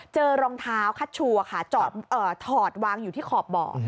เจอรองเท้าคัชชูค่ะถอดวางอยู่ที่ขอบบ่อ